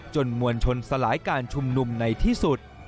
มวลชนสลายการชุมนุมในที่สุด